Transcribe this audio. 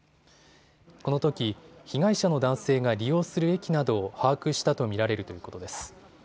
このとき被害者の男性が利用する駅などを把握したと見られるということです。